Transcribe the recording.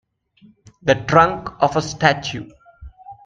The trunk of a statue.